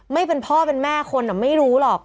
ไม่เป็นพ่อเป็นแม่คนไม่รู้หรอก